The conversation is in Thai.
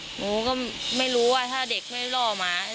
หนูก็ไม่รู้ว่าถ้าเด็กไม่ล่อหมา